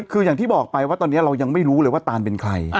คืออย่างที่บอกไปว่าตอนนี้เรายังไม่รู้เลยว่าตานเป็นใคร